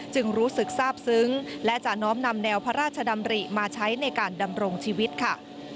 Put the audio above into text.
รู้สึกทราบซึ้งและจะน้อมนำแนวพระราชดำริมาใช้ในการดำรงชีวิตค่ะ